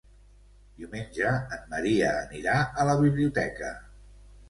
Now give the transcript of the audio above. Diumenge en Maria anirà a la biblioteca.